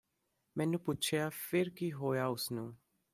ਮੈ ਪੁਛਿਆ ਫਿਰ ਕੀ ਹੋਇਆ ਉਸਨੂੰ